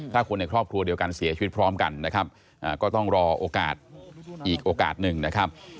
ถ้าคนในครอบครัวเดียวกันเสียชีวิตพร้อมกันนะครับก็ต้องรอโอกาสอีกโอกาสหนึ่งนะครับ